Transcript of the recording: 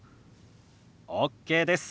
ＯＫです。